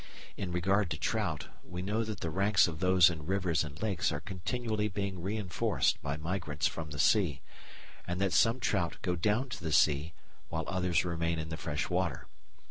In regard to trout, we know that the ranks of those in rivers and lakes are continually being reinforced by migrants from the sea, and that some trout go down to the sea while others remain in the freshwater.